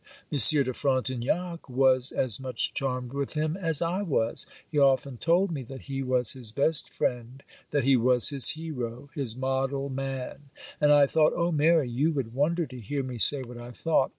Monsieur de Frontignac was as much charmed with him as I was; he often told me that he was his best friend; that he was his hero—his model man; and I thought, oh Mary, you would wonder to hear me say what I thought!